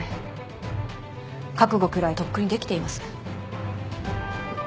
覚悟くらいとっくにできています。